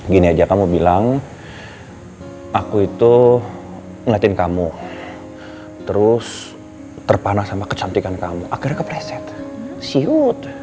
gini aja kamu bilang aku itu ngeliatin kamu terus terpanas sama kecantikan kamu akhirnya kepreset seaut